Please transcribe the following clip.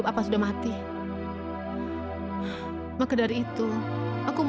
gak lama lagi sum